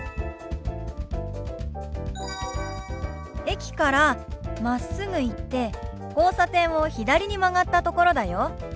駅からまっすぐ行って交差点を左に曲がったところだよ。